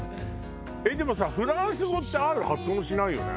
でもさフランス語って「Ｒ」発音しないよね。